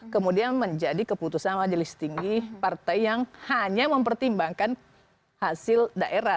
kemudian menjadi keputusan majelis tinggi partai yang hanya mempertimbangkan hasil daerah